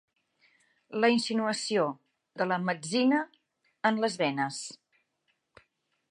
La insinuació de la metzina en les venes.